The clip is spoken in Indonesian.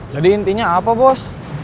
jadi intinya apa bos